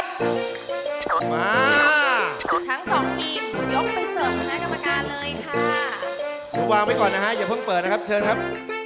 ผมวางไว้ก่อนนะฮะเดี๋ยวเพิ่งเปิดนะครับ